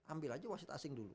ambil aja wasit asing dulu